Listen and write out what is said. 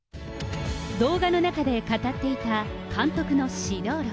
動画の中で語っていた、監督の指導論。